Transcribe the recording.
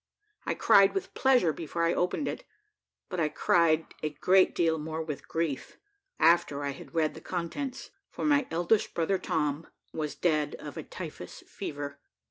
I cried with pleasure before I opened it; but I cried a great deal more with grief, after I had read the contents for my eldest brother Tom was dead of a typhus fever.